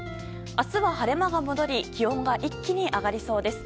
明日は晴れ間が戻り気温が一気に上がりそうです。